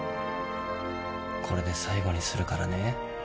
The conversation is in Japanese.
これで最後にするからね。